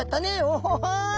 おい！